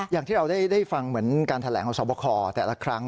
อย่างที่เราได้ฟังเหมือนการแถลงของสวบคอแต่ละครั้ง